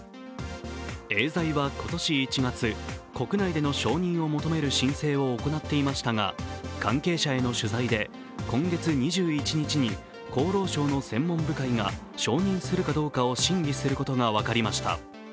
エーザイは今年１月、国内での承認を求める申請を行っていましたが、関係者への取材で、今月２１日に厚労省の専門部会が承認するかどうかを審議することが分かりました。